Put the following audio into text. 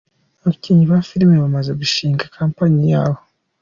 Abakinnyi ba filimi bamaze gushinga companyi yabo